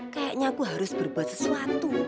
kayaknya aku harus berbuat sesuatu